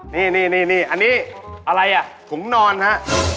นี่อันนี้อะไรอ่ะถุงนอนฮะ